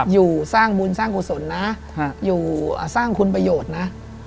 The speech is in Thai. อยู่สร้างบุญสร้างกุศลนะอยู่สร้างคุณประโยชน์นะ